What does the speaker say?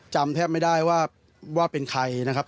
จำแทบไม่ได้ว่าเป็นใครนะครับ